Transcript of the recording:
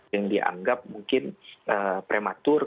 yang dianggap mungkin prematur